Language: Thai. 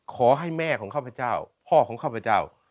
ขอให้แม่ของข้าพเจ้าพ่อของข้าพเจ้า